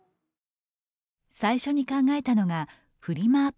最初に考えたのがフリマ